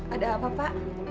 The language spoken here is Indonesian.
ada apa pak